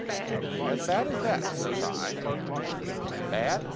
"As bad as that ?" says I. "Bad?